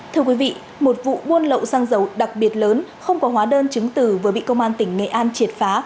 thưa quý vị một vụ buôn lậu xăng dầu đặc biệt lớn không có hóa đơn chứng từ vừa bị công an tỉnh nghệ an triệt phá